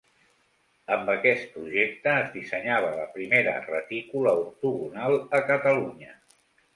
Amb aquest projecte es dissenyava la primera retícula ortogonal a Catalunya.